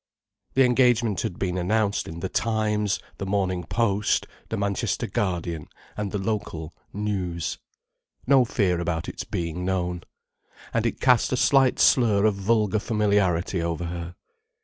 The engagement had been announced in The Times, The Morning Post, The Manchester Guardian, and the local News. No fear about its being known. And it cast a slight slur of vulgar familiarity over her.